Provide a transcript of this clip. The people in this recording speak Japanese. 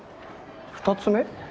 ２つ目？